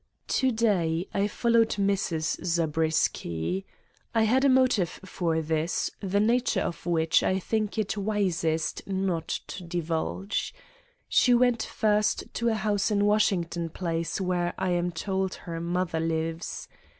"To day I followed Mrs. Zabriskie. I had a motive for this, the nature of which I think it wisest not to divulge. She went first to a house in Washington Place where I am told her mother lives.